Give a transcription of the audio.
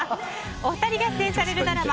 お二人出演されるドラマ